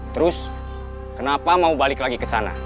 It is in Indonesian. terus kenapa mau balik lagi ke sana